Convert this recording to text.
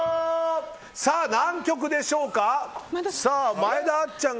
何曲でしょうか？